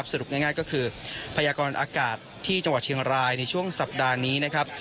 สรุปง่ายก็คือพยากรอากาศที่จังหวัดเชียงรายในช่วงสัปดาห์นี้นะครับ